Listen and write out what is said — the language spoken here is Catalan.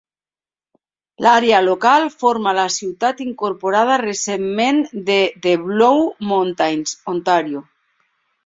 L'àrea local forma la ciutat incorporada recentment de The Blue Mountains, Ontario.